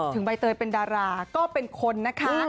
ใบเตยเป็นดาราก็เป็นคนนะคะ